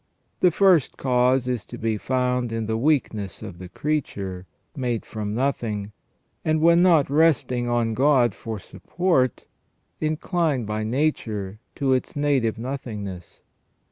The first cause is to be found in the weakness of the creature, made from nothing, and, when not resting on God for support, inclined by nature to its native nothingness.